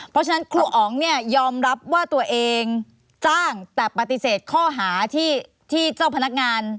เพราะฉะนั้นครูอ๋องเนี่ยยอมรับว่าตัวเองจ้างแต่ปฏิเสธข้อหาที่เจ้าพนักงาน